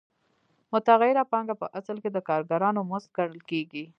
متغیره پانګه په اصل کې د کارګرانو مزد ګڼل کېږي